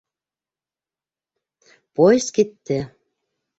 Поезд китте.